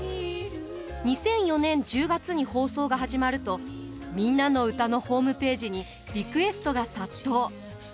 ２００４年１０月に放送が始まると「みんなのうた」のホームページにリクエストが殺到。